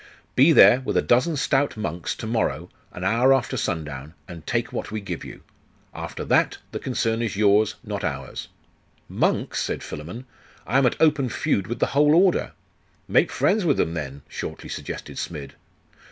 'Be there, with a dozen stout monks, to morrow, an hour after sundown, and take what we give you. After that, the concern is yours, not ours.' 'Monks?' said Philammon. 'I am at open feud with the whole order.' 'Make friends with them, then,' shortly suggested Smid.